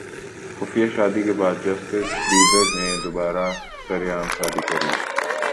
خفیہ شادی کے بعد جسٹن بیبر نے دوبارہ سرعام شادی کرلی